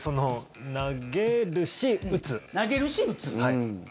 投げるし、打つ、はい。